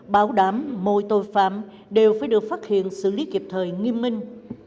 bảo đảm mỗi tội phạm đều phải được phát hiện xử lý kịp thời nghi minh